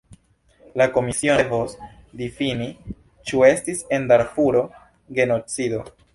La komisiono devos difini, ĉu estis en Darfuro genocido.